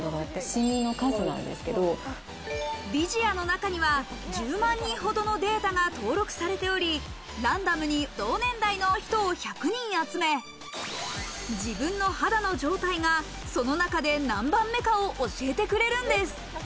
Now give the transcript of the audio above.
ＶＩＳＩＡの中には１０万人ほどのデータが登録されており、ランダムに同年代の人を１００人集め、自分の肌の状態がその中で何番目かを教えてくれるんです。